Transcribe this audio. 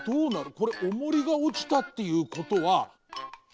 これおもりがおちたっていうことは。